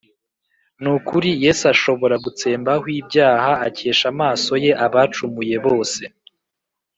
N’ukuri, Yes’ashobora, Gutsembahw ibyaha, Akesh’amaso ye Abacumuye bose.